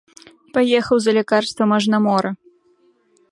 Паехаў за лякарствам аж на мора.